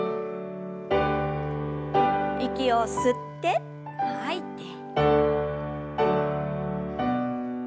息を吸って吐いて。